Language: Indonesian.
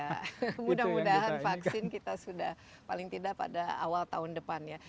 mudah mudahan vaksin kita sudah paling tidak pada awal tahun depan ya